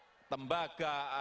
ada nikel ada tembaga ada tit utama